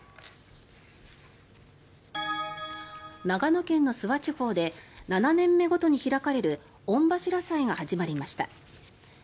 長野県の諏訪地方で７年目ごとに開かれる御柱祭が始まりました。